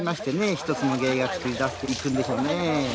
１つの芸を作り出していくんでしょうね。